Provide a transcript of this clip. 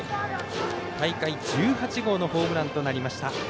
大会１８号のホームランとなりました。